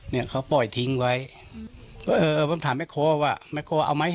เนี่ยเขาปล่อยทิ้งไว้เออผมถามแม่คอว่าแม่คอเอาไหม